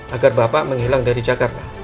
agar bapak menghilang dari jakarta